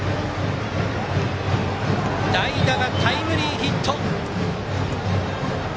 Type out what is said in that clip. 代打がタイムリーヒット。